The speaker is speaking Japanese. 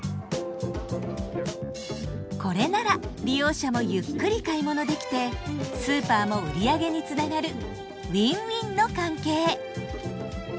これなら利用者もゆっくり買い物できてスーパーも売り上げにつながるウィンウィンの関係。